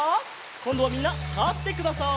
こんどはみんなたってください。